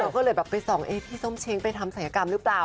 ก็เลยไปส่องพี่ส่วนเช้งไปทำศัยกรรมรึเปล่า